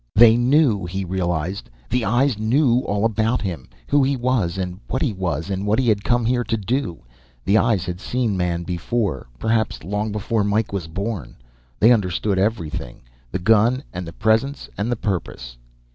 They knew, he realized. The eyes knew all about him; who he was and what he was and what he had come here to do. The eyes had seen man before perhaps long before Mike was born. They understood everything; the gun and the presence and the purpose.